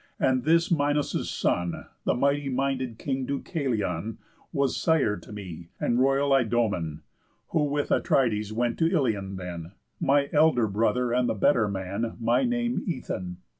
And this Minos' son, The mighty minded king Deucalion, Was sire to me and royal Idomen, Who with Atrides went to Ilion then, My elder brother and the better man, My name Aethon.